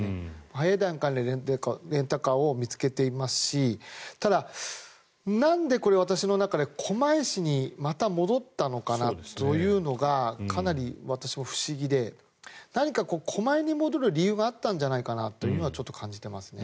早い段階でレンタカーを見つけていますしただ、なんでこれ私の中でまた戻ったのかなというのがかなり私も不思議で何か狛江に戻る理由があったんじゃないかなとはちょっと感じていますね。